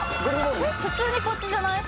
普通にこっちじゃない？